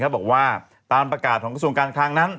บอกว่าตามประกาศของกระทรวงการคลังนั้น